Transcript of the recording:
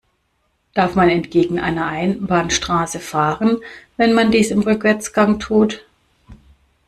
Darf man entgegen einer Einbahnstraße fahren, wenn man dies im Rückwärtsgang tut?